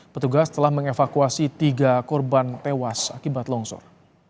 petugas telah mengevakuasi tiga korban tewas akibat longsor